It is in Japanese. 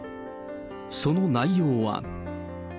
その内容は。